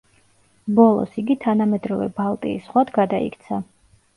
ბოლოს იგი თანამედროვე ბალტიის ზღვად გადაიქცა.